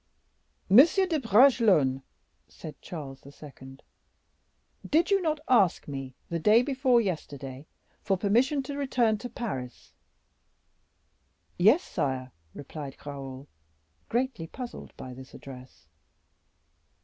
"Monsieur de Bragelonne," said Charles II., "did you not ask me the day before yesterday for permission to return to Paris?" "Yes, sire," replied Raoul, greatly puzzled by this address.